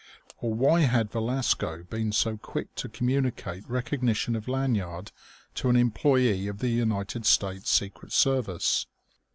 Or why had Velasco been so quick to communicate recognition of Lanyard to an employee of the United States Secret Service?